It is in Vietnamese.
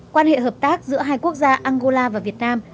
quan hệ hợp tác giữa hai quốc gia angola và việt nam